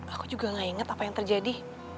aku juga nggak ingat apa yang terjadi